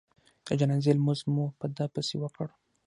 د جنازې لمونځ مو په ده پسې وکړ.